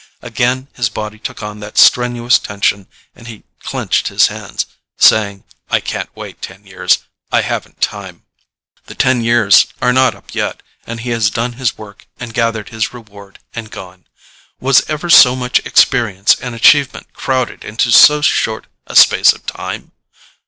Again his body took on that strenuous tension and he clenched his hands, saying, "I can't wait ten years, I haven't time." The ten years are not up yet, and he has done his work and gathered his reward and gone. Was ever so much experience and achievement crowded into so short a space of time?